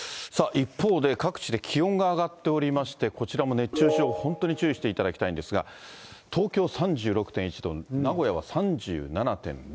一方で、各地で気温が上がっておりまして、こちらも熱中症、本当に注意していただきたいんですが、東京３６．１度、名古屋は３７．０度。